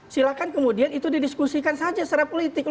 silahkan kemudian itu didiskusikan saja secara politik